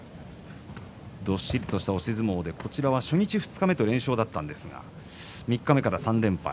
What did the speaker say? どっしりとした押し相撲で初日、二日目と連勝だったんですが三日目から３連敗。